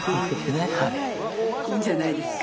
いいんじゃないですか。